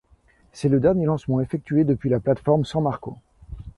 C'est le dernier lancement effectué depuis la plateforme San Marco.